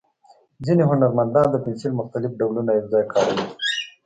ځینې هنرمندان د پنسل مختلف ډولونه یو ځای کاروي.